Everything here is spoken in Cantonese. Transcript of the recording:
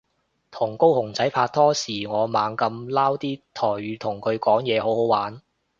同高雄仔拍拖時我猛噉撈啲台語同佢講嘢好好玩